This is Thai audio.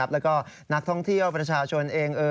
แล้วก็นักท่องเที่ยวประชาชนเอง